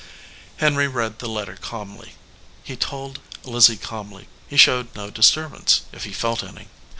Henry read the letter calmly. He told Lizzie calmly. He showed no disturbance, if he felt any.